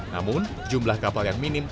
namun jumlah kapal yang minim